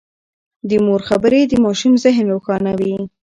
د مور خبرې د ماشوم ذهن روښانوي.